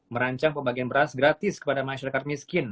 merancang pembagian beras gratis kepada masyarakat miskin